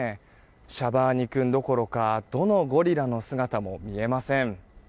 シャバーニ君どころかどのゴリラの姿も見えません。